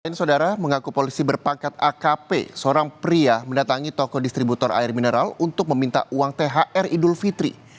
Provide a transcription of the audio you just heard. n saudara mengaku polisi berpangkat akp seorang pria mendatangi toko distributor air mineral untuk meminta uang thr idul fitri